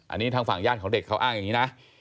อันนี้ทางฝั่งญาติของเด็กเขาอ้างอย่างนี้นะ